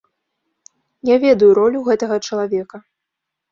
Я ведаю ролю гэтага чалавека.